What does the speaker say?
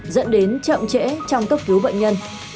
dẫn đến chậm trễ trong cấp cứu bệnh nhân